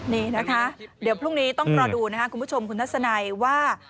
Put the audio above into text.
นี่นะคะเดี๋ยวพรุ่งนี้ต้องรอดูนะครับคุณผู้ชมคุณทัศนัยว่า